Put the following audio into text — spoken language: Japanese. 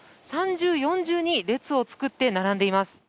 三重、四重に列を作って並んでいます。